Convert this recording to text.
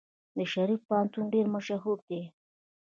د شریف پوهنتون ډیر مشهور دی.